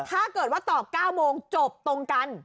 ถ้าเกิดว่าตอบ๙โมงจบตรงกัน